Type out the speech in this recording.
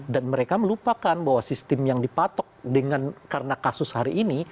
dan mereka melupakan bahwa sistem yang dipatok dengan karena kasus hari ini